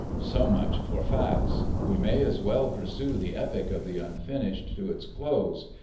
So much for facts! We may as well pursue the epic of the Unfinished to its close.